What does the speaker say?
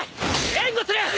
援護する！